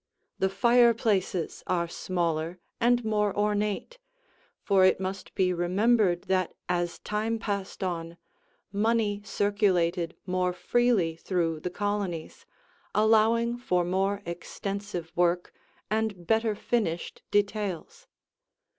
The fireplaces are smaller and more ornate, for it must be remembered that as time passed on, money circulated more freely through the colonies, allowing for more extensive work and better finished details.